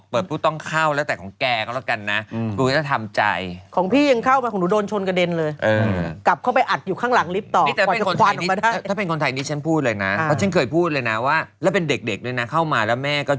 เพราะของเขาไม่ได้ถือว่าผิดมารยาท